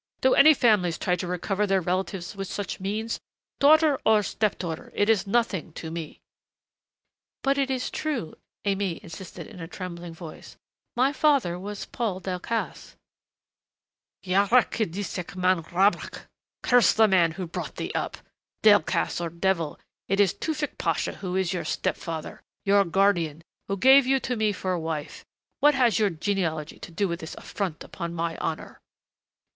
Do any families try to recover their relatives with such means? Daughter or step daughter, it is nothing to me " "But it is true," Aimée insisted, in a trembling voice. "My father was Paul Delcassé " "Yahrak Kiddisak man rabbabk curse the man who brought thee up! Delcassé or devil, it is Tewfick Pasha who is your step father, your guardian, who gave you to me for wife what has your genealogy to do with this affront upon my honor?"